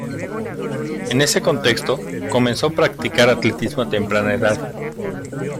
En ese contexto, comenzó practicar atletismo a temprana edad.